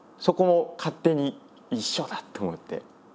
そこも勝手に「一緒だ」と思って。